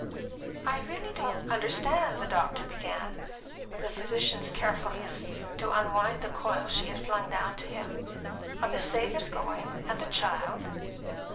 "I really don't understand." The doctor began, with a physician's carefulness, to unwind the coil she had flung down to him. "Are the Savors going, and the child?"